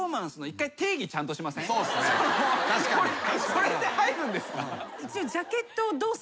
これで入るんですか？